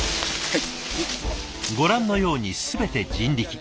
ご覧のように全て人力。